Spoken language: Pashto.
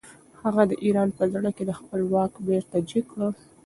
هغه د ایران په زړه کې د خپل واک بیرغ جګ کړ.